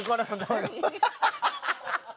ハハハハ！